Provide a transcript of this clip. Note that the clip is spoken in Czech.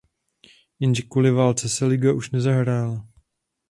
Jenže kvůli válce se liga už nehrála.